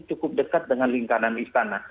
cukup dekat dengan lingkaran istana